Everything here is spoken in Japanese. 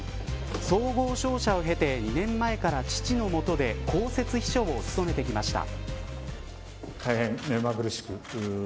総合商社を経て２年前から父の下で公設秘書を務めてきました。